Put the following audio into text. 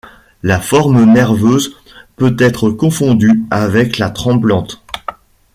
La forme nerveuse peut être confondue avec la tremblante.